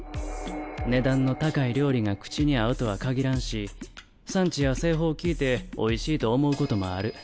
値段の高い料理が口に合うとはかぎらんし産地や製法聞いておいしいと思うこともある。